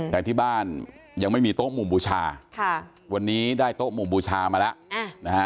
แต่ที่บ้านยังไม่มีโต๊ะหมู่บูชาวันนี้ได้โต๊ะหมู่บูชามาแล้วนะฮะ